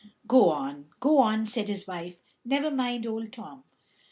"Go on, go on," said his wife; "never mind Old Tom."